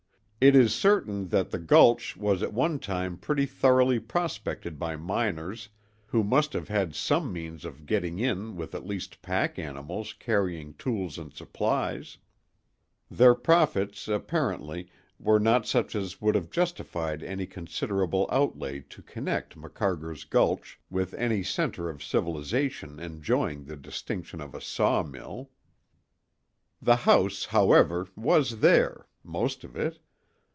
It is certain that the gulch was at one time pretty thoroughly prospected by miners, who must have had some means of getting in with at least pack animals carrying tools and supplies; their profits, apparently, were not such as would have justified any considerable outlay to connect Macarger's Gulch with any center of civilization enjoying the distinction of a sawmill. The house, however, was there, most of it.